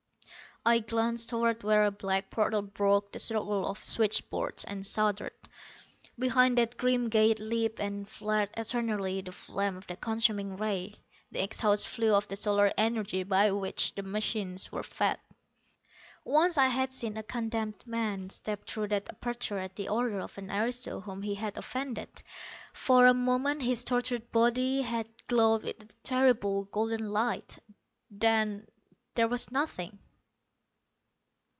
I glanced toward where a black portal broke the circle of switchboards, and shuddered. Behind that grim gate leaped and flared eternally the flame of the consuming Ray, the exhaust flue of the solar energy by which the machines were fed. Once I had seen a condemned man step through that aperture at the order of an aristo whom he had offended. For a moment his tortured body had glowed with a terrible golden light. Then there was nothing.